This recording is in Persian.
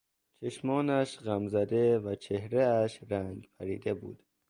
چشمانش غمزده و چهرهاش رنگ پریده بود.